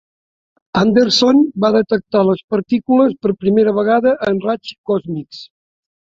Anderson va detectar les partícules per primera vegada en raigs còsmics.